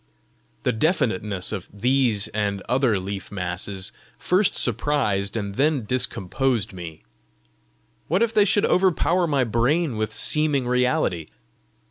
The definiteness of these and other leaf masses first surprised and then discomposed me: what if they should overpower my brain with seeming reality?